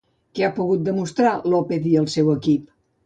Què ha pogut demostrar López i el seu equip?